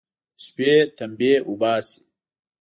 د شپې تمبې اوباسي.